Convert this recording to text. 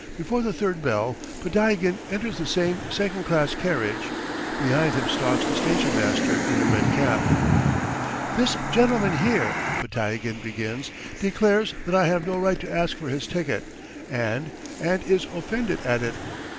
Before the third bell, Podtyagin enters the same second class carriage. Behind him stalks the station master in a red cap. "This gentleman here," Podtyagin begins, "declares that I have no right to ask for his ticket and ... and is offended at it.